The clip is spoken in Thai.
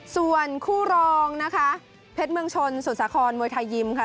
ส่วนคู่รองนะคะเพชรเมืองชนสุสาครมวยไทยยิมค่ะ